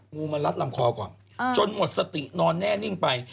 งูมารัดลำคอก่อนจนหมดสตินอนแน่นิ่งไป